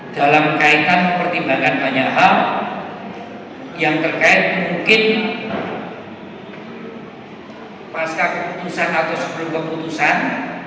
dalam kaitan mempertimbangkan banyak hal yang terkait mungkin pasca keputusan atau sebelum keputusan